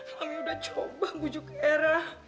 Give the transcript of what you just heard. mami udah coba bujuk eram